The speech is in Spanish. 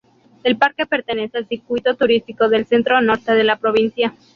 El parque pertenece al circuito turístico del centro-norte de la provincia.